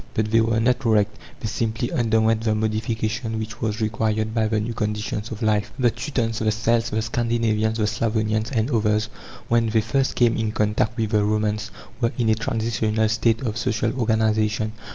But they were not wrecked; they simply underwent the modification which was required by the new conditions of life. The Teutons, the Celts, the Scandinavians, the Slavonians, and others, when they first came in contact with the Romans, were in a transitional state of social organization.